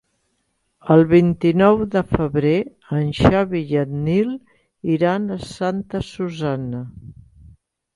El vint-i-nou de febrer en Xavi i en Nil iran a Santa Susanna.